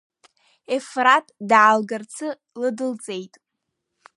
Ефраҭ даалгарацы лыдылҵеит.